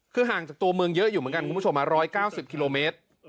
คือห่างจากตัวเมืองเยอะอยู่เหมือนกันคุณผู้ชม๑๙๐กิโลเมตร